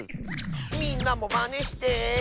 「みんなもまねして」